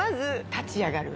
立ち上がる。